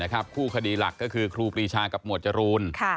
คู่คดีหลักก็คือครูปรีชากับหมวดจรูน